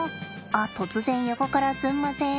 あっ突然横からすんません。